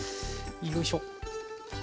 よいしょ。